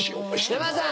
山田さん